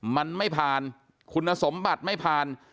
มันไม่ผ่านคุณสมบัติไม่ผ่าน